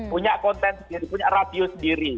punya konten sendiri punya radio sendiri